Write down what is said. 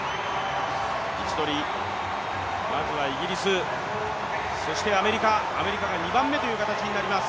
位置取り、まずはイギリス、アメリカが２番目という形になります。